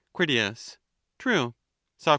Crit. True. Soc.